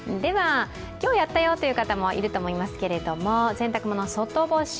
今日やったよという方もいると思いますけど、洗濯物、外干し。